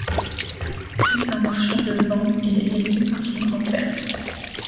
Fils d'un marchand de vin, il est élevé par son grand-père.